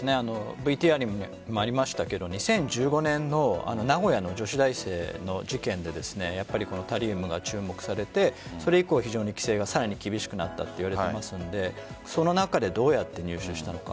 ＶＴＲにもありましたが２０１５年の名古屋の女子大生の事件でタリウムが注目されてそれ以降、非常に規制がさらに厳しくなったといわれているのでその中でどうやって入手したのか。